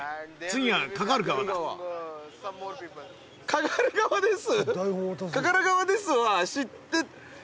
かかる側です？